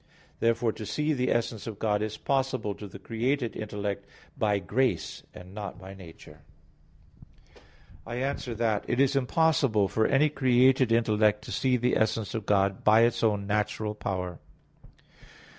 (John 17:3). Therefore to see the essence of God is possible to the created intellect by grace, and not by nature. I answer that, It is impossible for any created intellect to see the essence of God by its own natural power.